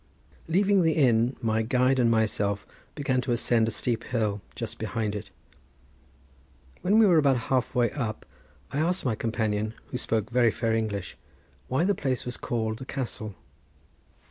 Leaving the inn my guide and myself began to ascend a steep hill just behind it. When we were about half way up I asked my companion, who spoke very fair English, why the place was called the Castle.